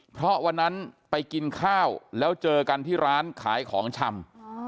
เพราะวันนั้นไปกินข้าวแล้วเจอกันที่ร้านขายของชำ